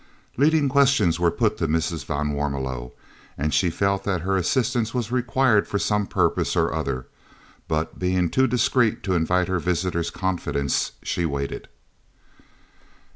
Leading questions were put to Mrs. van Warmelo, and she felt that her assistance was required for some purpose or other; but being too discreet to invite her visitors' confidence, she waited.